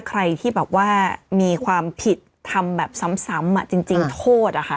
ใครที่แบบว่ามีความผิดทำแบบซ้ำซ้ำอ่ะจริงจริงโทษอ่ะค่ะ